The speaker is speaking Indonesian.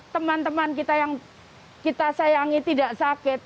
teman teman kita yang kita sayangi tidak sakit